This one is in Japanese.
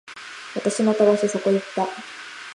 私のたわしそこ行った